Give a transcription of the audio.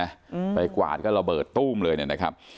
อืมไปกวาดก็ระเบิดตู้มเลยเนี้ยนะครับ